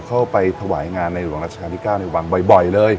เข้าไปถวายงานในหรวงรัชกาลอีกข้าวในวังบ่อยเลย